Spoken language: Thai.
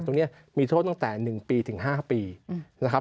ตรงนี้มีโทษตั้งแต่๑ปีถึง๕ปีนะครับ